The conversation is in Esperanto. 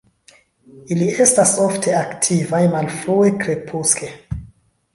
Ili estas ofte aktivaj malfrue krepuske.